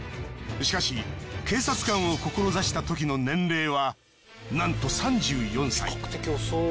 しかし警察官を志したときの年齢はなんと３４歳。